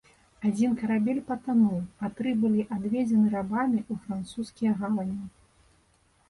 Адзін карабель патануў, а тры былі адведзены рабамі ў французскія гавані.